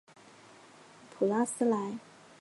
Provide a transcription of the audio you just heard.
普拉斯莱。